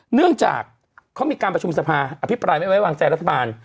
เนื่องจากเขามีการประชุมสภาอภิปรายไม่ไว้วางใจรัฐบาล